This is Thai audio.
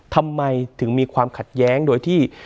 ทำไมถึงมีความขัดแย้งโดยที่